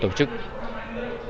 chúc mọi người tốt đẹp